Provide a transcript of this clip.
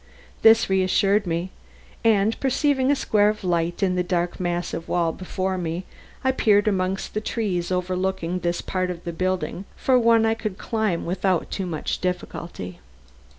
This reassured me, and perceiving a square of light in the dark mass of wall before me I peered about among the trees overlooking this part of the building for one I could climb without too much difficulty.